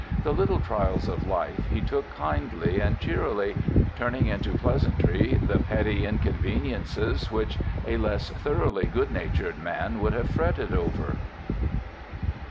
The little trials of life he took kindly and cheerily, turning into pleasantry the petty inconveniences which a less thorougnly good natured man would have fretted over.'